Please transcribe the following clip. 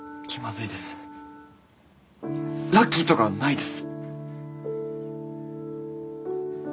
ラッキーとかないです。